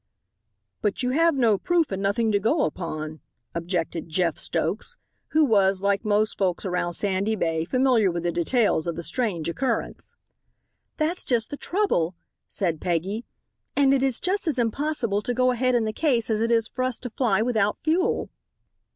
"But you have no proof and nothing to go upon," objected Jeff Stokes who was, like most folks around Sandy Bay, familiar with the details of the strange occurrence. "That's just the trouble," said Peggy, "and it is just as impossible to go ahead in the case as it is for us to fly without fuel."